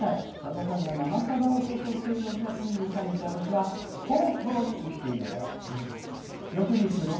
「さださんが「生さだ」を放送している６月２３日は私は東京に行っています。